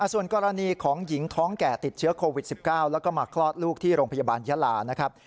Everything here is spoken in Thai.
ส่วนกรณีของหญิงท้องแก่ติดเชื้อโควิด๑๙แล้วก็มาคลอดลูกที่โรงพยาบาลยาลานะครับ